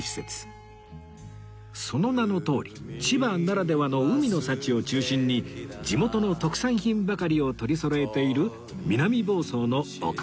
その名のとおり千葉ならではの海の幸を中心に地元の特産品ばかりを取りそろえている南房総のお買い物スポットです